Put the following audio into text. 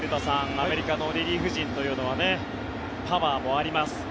アメリカのリリーフ陣というのはパワーもあります。